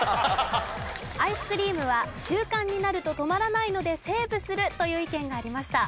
アイスクリームは習慣になると止まらないのでセーブするという意見がありました。